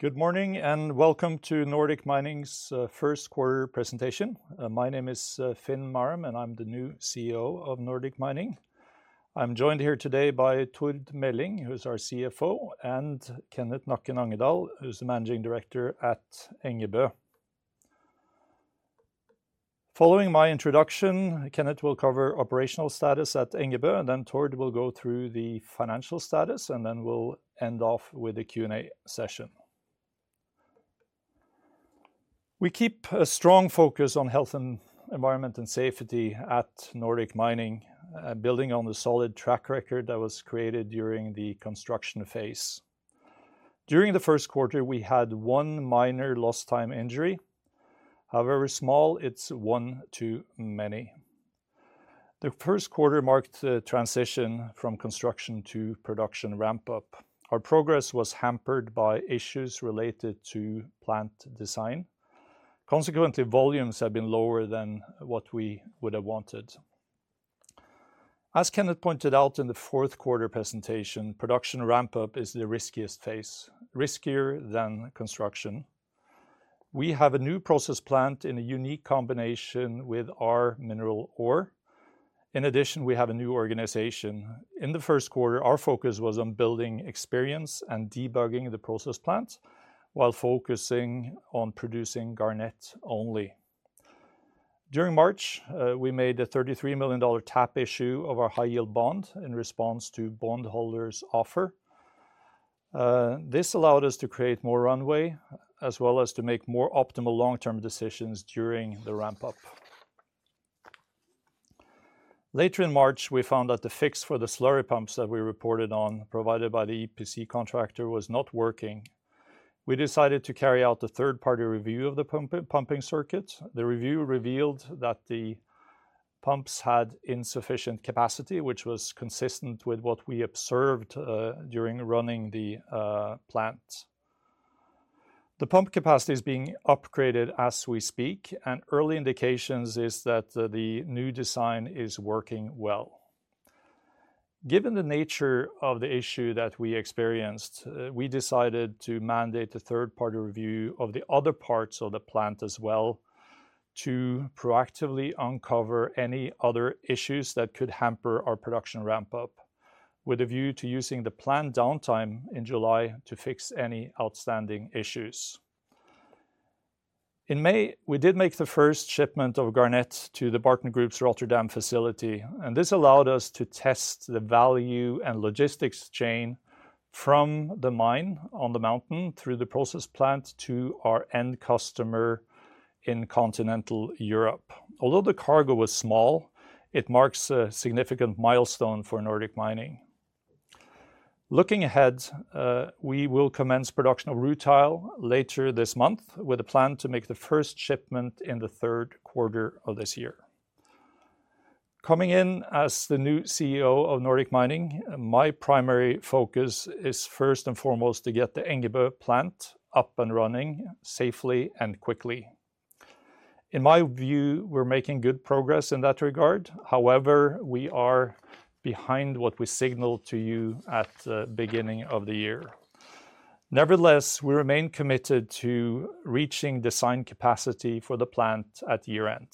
Good morning and welcome to Nordic Mining's first quarter presentation. My name is Finn Marum and I'm the new CEO of Nordic Mining. I'm joined here today by Tord Meling, who's our CFO, and Kenneth Nakken Angedal, who's the Managing Director at Engebø. Following my introduction, Kenneth will cover operational status at Engebø, and then Tord will go through the financial status, and then we'll end off with a Q&A session. We keep a strong focus on health and environment and safety at Nordic Mining, building on the solid track record that was created during the construction phase. During the first quarter, we had one minor lost-time injury. However small, it's one too many. The first quarter marked the transition from construction to production ramp-up. Our progress was hampered by issues related to plant design. Consequently, volumes have been lower than what we would have wanted. As Kenneth pointed out in the fourth quarter presentation, production ramp-up is the riskiest phase, riskier than construction. We have a new process plant in a unique combination with our mineral ore. In addition, we have a new organization. In the first quarter, our focus was on building experience and debugging the process plant while focusing on producing garnet only. During March, we made a $33 million tap issue of our high-yield bond in response to bondholders' offer. This allowed us to create more runway, as well as to make more optimal long-term decisions during the ramp-up. Later in March, we found that the fix for the slurry pumps that we reported on, provided by the EPC Contractor, was not working. We decided to carry out a third-party review of the pumping circuit. The review revealed that the pumps had insufficient capacity, which was consistent with what we observed during running the plant. The pump capacity is being upgraded as we speak, and early indications are that the new design is working well. Given the nature of the issue that we experienced, we decided to mandate a third-party review of the other parts of the plant as well to proactively uncover any other issues that could hamper our production ramp-up, with a view to using the planned downtime in July to fix any outstanding issues. In May, we did make the first shipment of garnet to the Barton Group's Rotterdam facility, and this allowed us to test the value and logistics chain from the mine on the mountain through the process plant to our end customer in continental Europe. Although the cargo was small, it marks a significant milestone for Nordic Mining. Looking ahead, we will commence production of rutile later this month, with a plan to make the first shipment in the third quarter of this year. Coming in as the new CEO of Nordic Mining, my primary focus is first and foremost to get the Engebø plant up and running safely and quickly. In my view, we're making good progress in that regard. However, we are behind what we signaled to you at the beginning of the year. Nevertheless, we remain committed to reaching design capacity for the plant at year-end.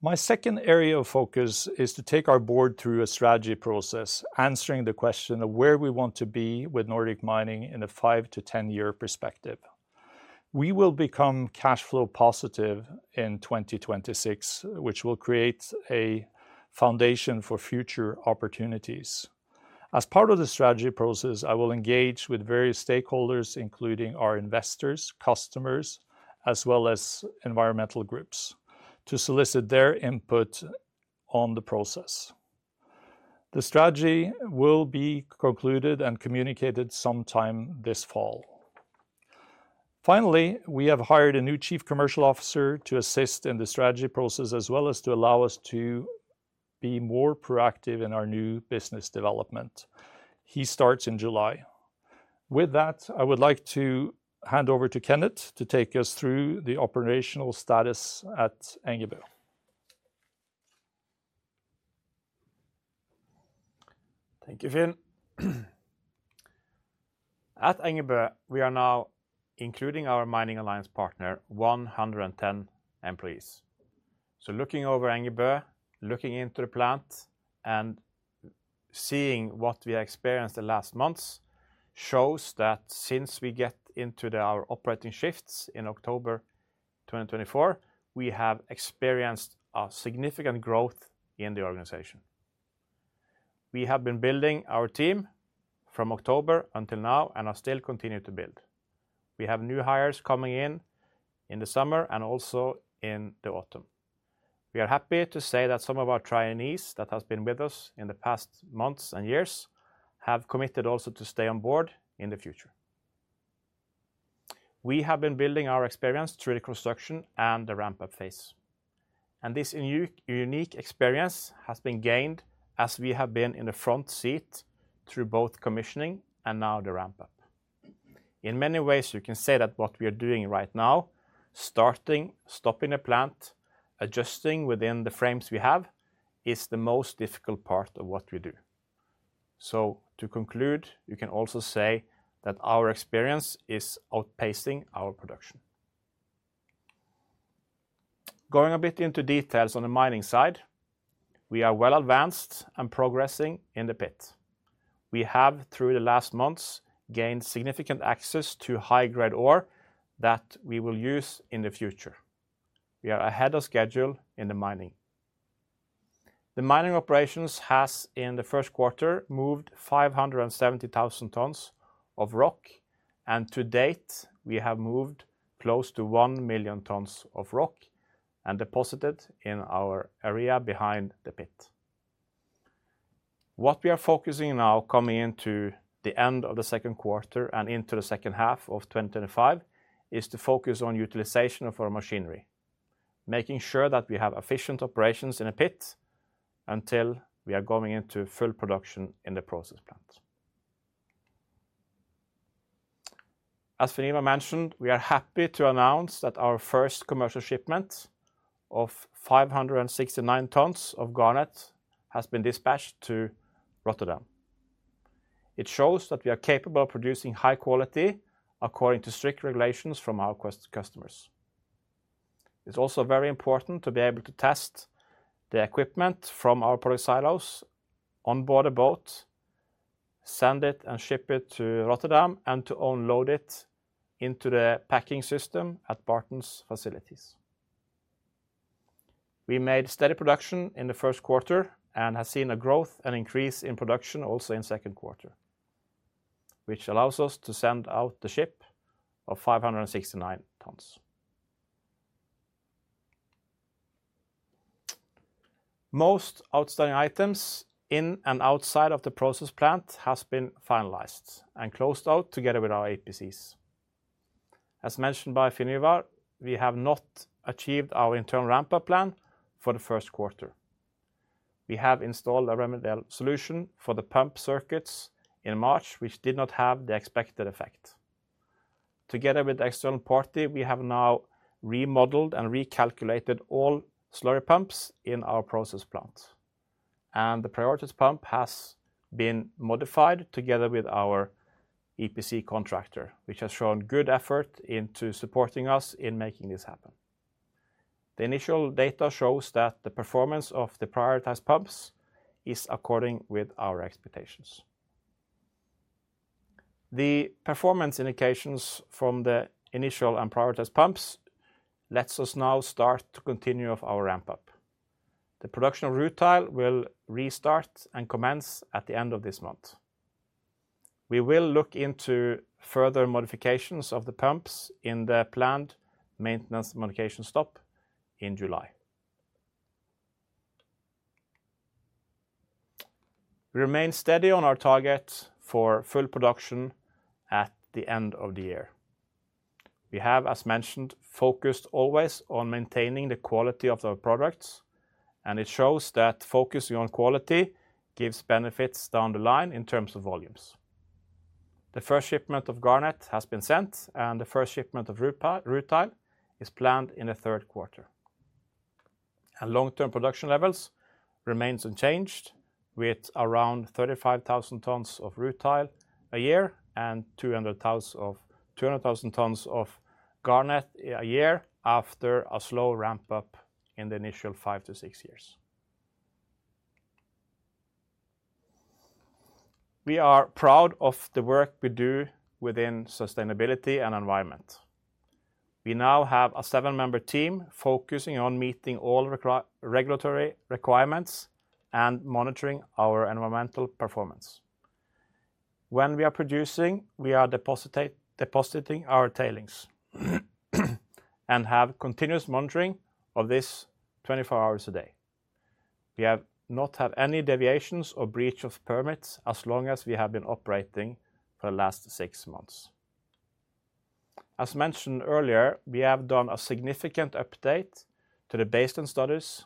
My second area of focus is to take our board through a strategy process, answering the question of where we want to be with Nordic Mining in a 5-10 year perspective. We will become cash flow positive in 2026, which will create a foundation for future opportunities. As part of the strategy process, I will engage with various stakeholders, including our investors, customers, as well as environmental groups, to solicit their input on the process. The strategy will be concluded and communicated sometime this fall. Finally, we have hired a new Chief Commercial Officer to assist in the strategy process, as well as to allow us to be more proactive in our new business development. He starts in July. With that, I would like to hand over to Kenneth to take us through the operational status at Engebø. Thank you, Finn. At Engebø, we are now including our Mining Alliance partner, 110 employees. Looking over Engebø, looking into the plant, and seeing what we experienced the last months shows that since we get into our operating shifts in October 2024, we have experienced a significant growth in the organization. We have been building our team from October until now and are still continuing to build. We have new hires coming in in the summer and also in the autumn. We are happy to say that some of our trainees that have been with us in the past months and years have committed also to stay on board in the future. We have been building our experience through the construction and the ramp-up phase. This unique experience has been gained as we have been in the front seat through both commissioning and now the ramp-up. In many ways, you can say that what we are doing right now, starting, stopping the plant, adjusting within the frames we have, is the most difficult part of what we do. To conclude, you can also say that our experience is outpacing our production. Going a bit into details on the mining side, we are well advanced and progressing in the pit. We have, through the last months, gained significant access to high-grade ore that we will use in the future. We are ahead of schedule in the mining. The mining operations have in the first quarter moved 570,000 tons of rock, and to date, we have moved close to 1 million tons of rock and deposited in our area behind the pit. What we are focusing on now, coming into the end of the second quarter and into the second half of 2025, is to focus on utilization of our machinery, making sure that we have efficient operations in a pit until we are going into full production in the process plant. As Finn, mentioned, we are happy to announce that our first commercial shipment of 569 tons of garnet has been dispatched to Rotterdam. It shows that we are capable of producing high quality according to strict regulations from our customers. It's also very important to be able to test the equipment from our product silos onboard a boat, send it and ship it to Rotterdam, and to unload it into the packing system at Barton's facilities. We made steady production in the first quarter and have seen a growth and increase in production also in the second quarter, which allows us to send out the ship of 569 tons. Most outstanding items in and outside of the process plant have been finalized and closed out together with our EPCs. As mentioned by Finn Marum, we have not achieved our internal ramp-up plan for the first quarter. We have installed a remedial solution for the pump circuits in March, which did not have the expected effect. Together with the external party, we have now remodeled and recalculated all slurry pumps in our process plant, and the prioritized pump has been modified together with our EPC contractor, which has shown good effort in supporting us in making this happen. The initial data shows that the performance of the prioritized pumps is according to our expectations. The performance indications from the initial and prioritized pumps let us now start to continue our ramp-up. The production of rutile will restart and commence at the end of this month. We will look into further modifications of the pumps in the planned maintenance modification stop in July. We remain steady on our target for full production at the end of the year. We have, as mentioned, focused always on maintaining the quality of our products, and it shows that focusing on quality gives benefits down the line in terms of volumes. The first shipment of garnet has been sent, and the first shipment of rutile is planned in the third quarter. Long-term production levels remain unchanged, with around 35,000 tons of rutile a year and 200,000 tons of garnet a year after a slow ramp-up in the initial five to six years. We are proud of the work we do within sustainability and environment. We now have a seven-member team focusing on meeting all regulatory requirements and monitoring our environmental performance. When we are producing, we are depositing our tailings and have continuous monitoring of this 24 hours a day. We have not had any deviations or breach of permits as long as we have been operating for the last six months. As mentioned earlier, we have done a significant update to the baseline studies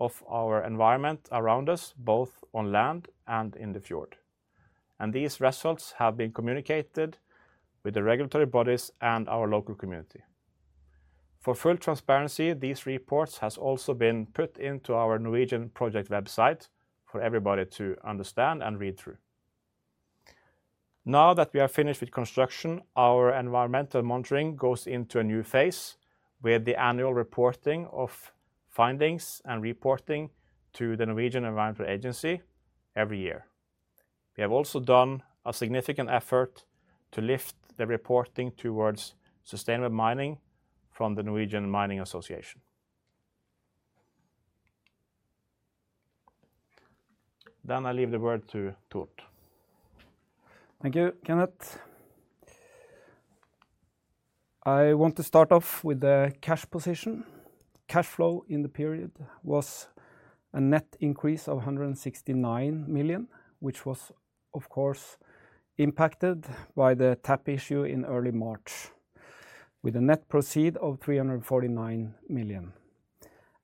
of our environment around us, both on land and in the fjord. These results have been communicated with the regulatory bodies and our local community. For full transparency, these reports have also been put into our Norwegian project website for everybody to understand and read through. Now that we are finished with construction, our environmental monitoring goes into a new phase with the annual reporting of findings and reporting to the Norwegian Environmental Agency every year. We have also done a significant effort to lift the reporting towards sustainable mining from the Norwegian Mining Association. I leave the word to Tord. Thank you, Kenneth. I want to start off with the cash position. Cash flow in the period was a net increase of 169 million, which was, of course, impacted by the tap issue in early March, with a net proceed of 349 million.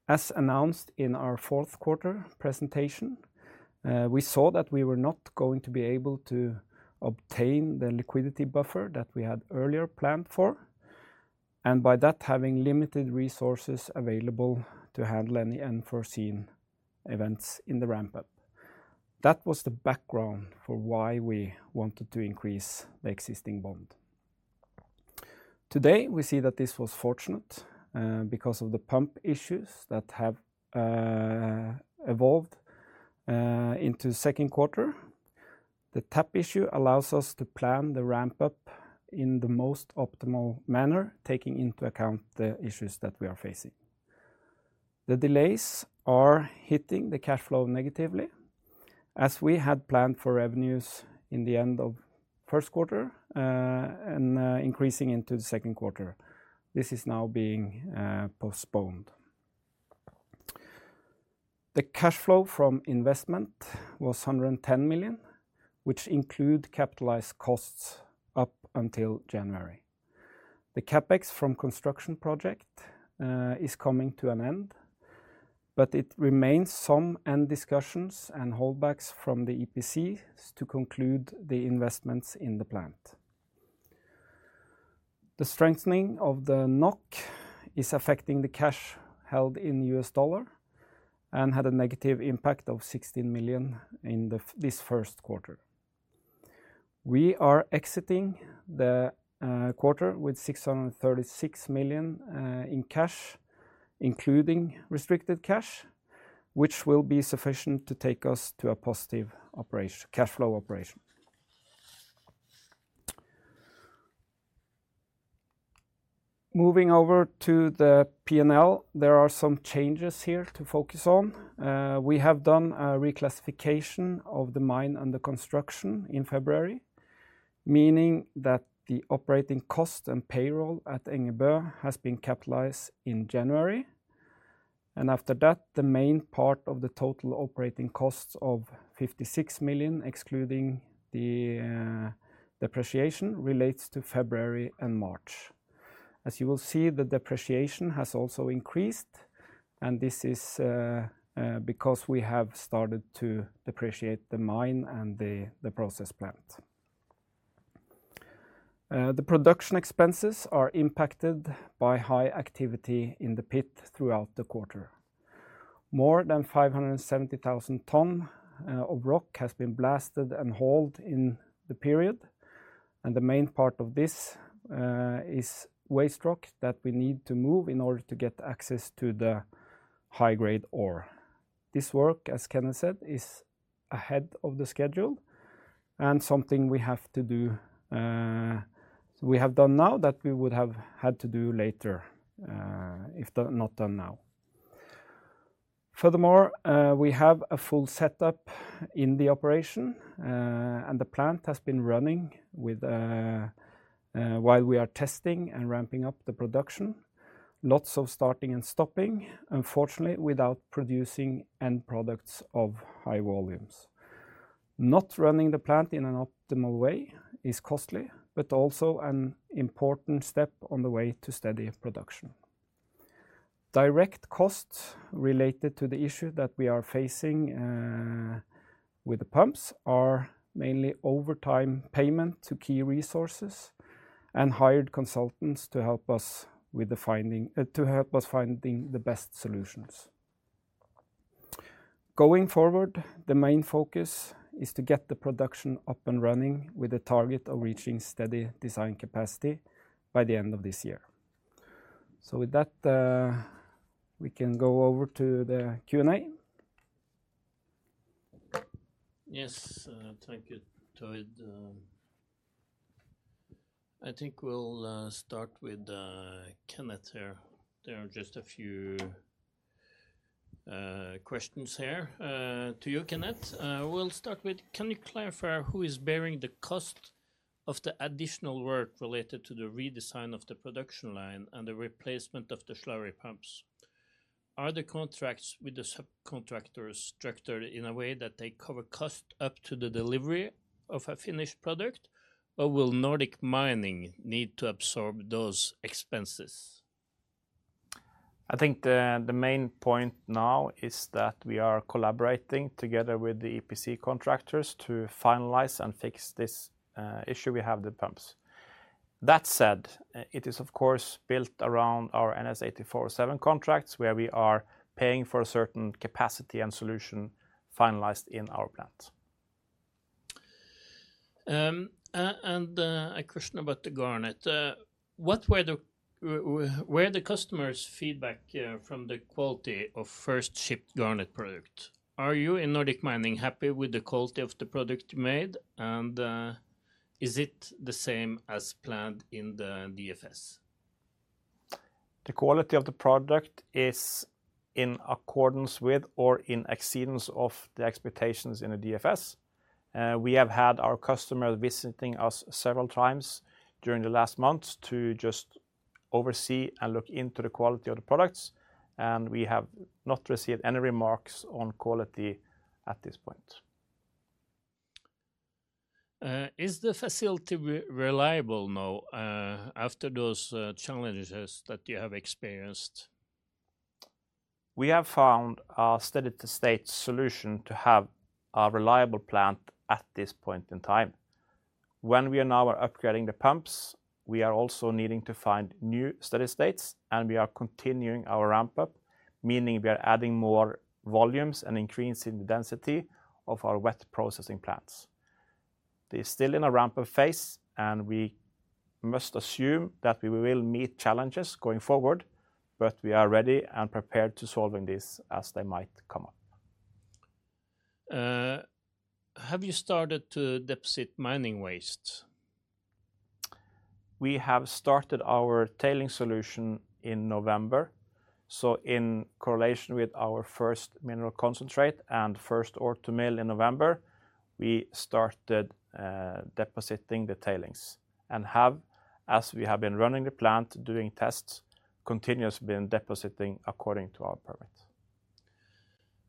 As announced in our fourth quarter presentation, we saw that we were not going to be able to obtain the liquidity buffer that we had earlier planned for, and by that, having limited resources available to handle any unforeseen events in the ramp-up. That was the background for why we wanted to increase the existing bond. Today, we see that this was fortunate because of the pump issues that have evolved into the second quarter. The tap issue allows us to plan the ramp-up in the most optimal manner, taking into account the issues that we are facing. The delays are hitting the cash flow negatively, as we had planned for revenues in the end of the first quarter and increasing into the second quarter. This is now being postponed. The cash flow from investment was 110 million, which includes capitalized costs up until January. The CapEx from the construction project is coming to an end, but it remains some end discussions and holdbacks from the EPC Contractor to conclude the investments in the plant. The strengthening of the NOK is affecting the cash held in US dollar and had a negative impact of 16 million in this first quarter. We are exiting the quarter with 636 million in cash, including restricted cash, which will be sufficient to take us to a positive cash flow operation. Moving over to the P&L, there are some changes here to focus on. We have done a reclassification of the mine and the construction in February, meaning that the operating cost and payroll at Engebø has been capitalized in January. After that, the main part of the total operating costs of 56 million, excluding the depreciation, relates to February and March. As you will see, the depreciation has also increased, and this is because we have started to depreciate the mine and the process plant. The production expenses are impacted by high activity in the pit throughout the quarter. More than 570,000 tons of rock have been blasted and hauled in the period, and the main part of this is waste rock that we need to move in order to get access to the high-grade ore. This work, as Kenneth said, is ahead of the schedule and something we have to do, we have done now that we would have had to do later if not done now. Furthermore, we have a full setup in the operation, and the plant has been running while we are testing and ramping up the production, lots of starting and stopping, unfortunately without producing end products of high volumes. Not running the plant in an optimal way is costly, but also an important step on the way to steady production. Direct costs related to the issue that we are facing with the pumps are mainly overtime payment to key resources and hired consultants to help us with the finding of the best solutions. Going forward, the main focus is to get the production up and running with a target of reaching steady design capacity by the end of this year. With that, we can go over to the Q&A. Yes, thank you, Tord. I think we'll start with Kenneth here. There are just a few questions here to you, Kenneth. We'll start with, can you clarify who is bearing the cost of the additional work related to the redesign of the production line and the replacement of the slurry pumps? Are the contracts with the subcontractors structured in a way that they cover cost up to the delivery of a finished product, or will Nordic Mining need to absorb those expenses? I think the main point now is that we are collaborating together with the EPC Contractor to finalize and fix this issue we have with the pumps. That said, it is, of course, built around our NS 8407 contracts, where we are paying for a certain capacity and solution finalized in our plant. A question about the garnet. What were the customers' feedback from the quality of first-shipped garnet product? Are you in Nordic Mining happy with the quality of the product you made, and is it the same as planned in the DFS? The quality of the product is in accordance with or in exceedance of the expectations in the DFS. We have had our customers visiting us several times during the last months to just oversee and look into the quality of the products, and we have not received any remarks on quality at this point. Is the facility reliable now after those challenges that you have experienced? We have found a steady-state solution to have a reliable plant at this point in time. When we are now upgrading the pumps, we are also needing to find new steady states, and we are continuing our ramp-up, meaning we are adding more volumes and increasing the density of our wet processing plants. They are still in a ramp-up phase, and we must assume that we will meet challenges going forward, but we are ready and prepared to solve this as they might come up. Have you started to deposit mining waste? We have started our tailing solution in November. In correlation with our first mineral concentrate and first ore to mill in November, we started depositing the tailings and have, as we have been running the plant, doing tests, continuously been depositing according to our permit.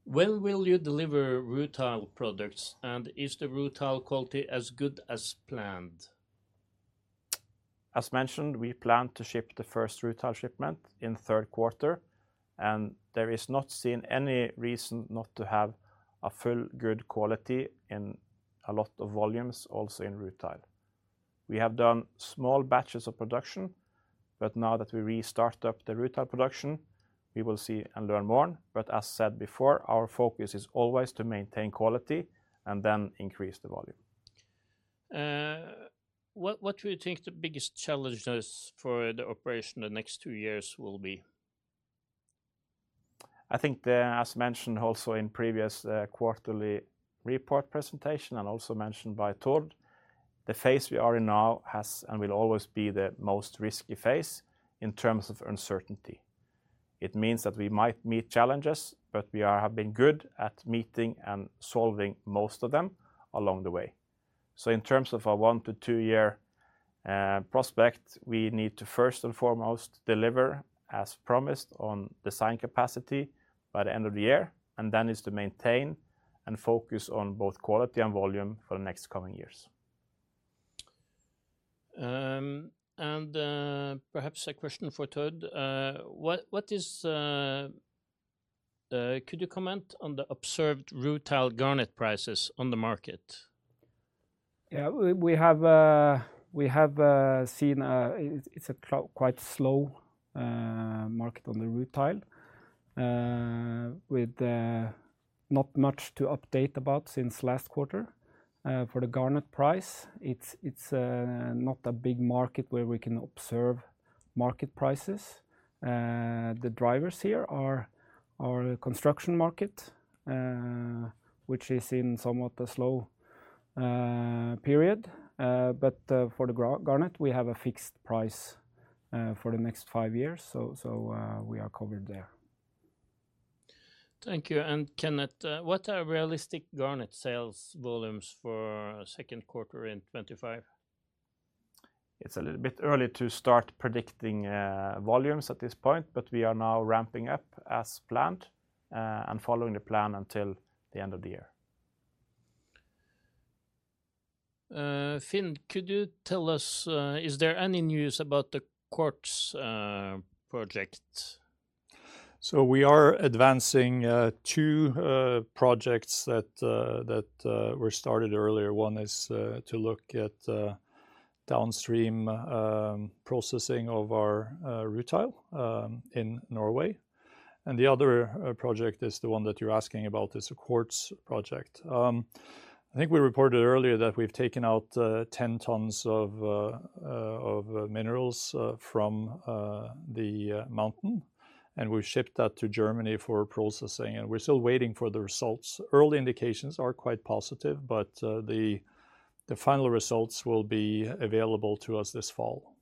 When will you deliver rutile products, and is the rutile quality as good as planned? As mentioned, we plan to ship the first rutile shipment in the third quarter, and there is not seen any reason not to have a full good quality in a lot of volumes, also in rutile. We have done small batches of production, but now that we restart up the rutile production, we will see and learn more. As said before, our focus is always to maintain quality and then increase the volume. What do you think the biggest challenges for the operation in the next two years will be? I think, as mentioned also in the previous quarterly report presentation and also mentioned by Tord, the phase we are in now has and will always be the most risky phase in terms of uncertainty. It means that we might meet challenges, but we have been good at meeting and solving most of them along the way. In terms of our one- to two-year prospect, we need to first and foremost deliver as promised on design capacity by the end of the year, and then is to maintain and focus on both quality and volume for the next coming years. Perhaps a question for Tord. Could you comment on the observed rutile garnet prices on the market? Yeah, we have seen it's a quite slow market on the rutile, with not much to update about since last quarter. For the garnet price, it's not a big market where we can observe market prices. The drivers here are the construction market, which is in somewhat a slow period. For the garnet, we have a fixed price for the next five years, so we are covered there. Thank you. Kenneth, what are realistic garnet sales volumes for the second quarter in 2025? It's a little bit early to start predicting volumes at this point, but we are now ramping up as planned and following the plan until the end of the year. Finn, could you tell us, is there any news about the Quartz project? We are advancing two projects that were started earlier. One is to look at downstream processing of our rutile in Norway. The other project is the one that you're asking about, is a Quartz project. I think we reported earlier that we've taken out 10 tons of minerals from the mountain, and we've shipped that to Germany for processing, and we're still waiting for the results. Early indications are quite positive, but the final results will be available to us this fall.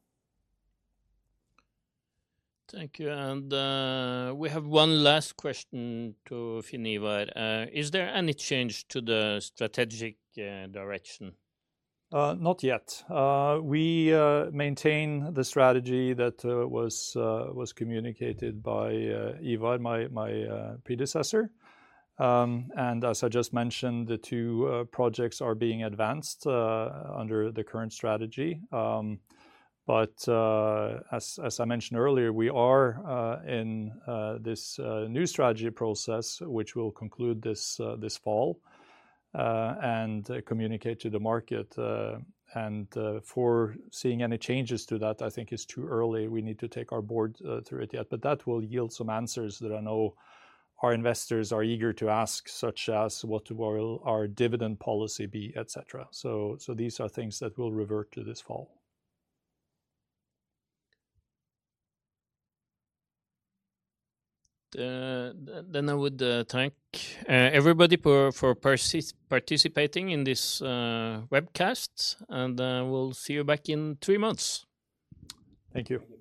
Thank you. We have one last question to Finn Marum. Is there any change to the strategic direction? Not yet. We maintain the strategy that was communicated by Ivar, my predecessor. As I just mentioned, the two projects are being advanced under the current strategy. As I mentioned earlier, we are in this new strategy process, which will conclude this fall and communicate to the market. For seeing any changes to that, I think it's too early. We need to take our board through it yet, but that will yield some answers that I know our investors are eager to ask, such as what will our dividend policy be, etc. These are things that will revert to this fall. I would thank everybody for participating in this webcast, and we'll see you back in three months. Thank you.